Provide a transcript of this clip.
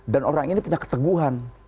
dan orang ini punya keteguhan